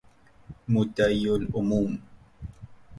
مدعیالعموم